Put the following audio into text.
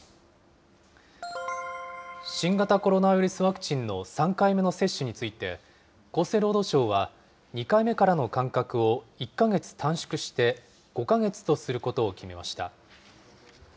新型コロナウイルスワクチンの３回目の接種について、厚生労働省は、２回目からの間隔を１か月短縮して、５か月とすることを決めました。